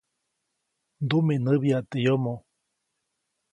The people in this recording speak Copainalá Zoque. Ndumiʼnäbyaʼt teʼ yomoʼ.